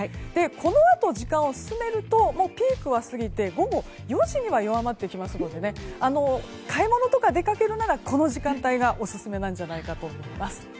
このあと時間を進めるとピークは過ぎて午後４時には弱まってきますので買い物とか出かけるならこの時間帯がオススメなんじゃないかと思います。